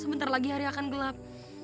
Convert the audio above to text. sebentar lagi hari akan gelap